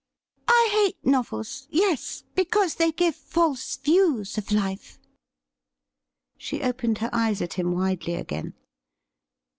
' I hate novels — yes — because they give false views of life.' She opened her eyes at him widely again.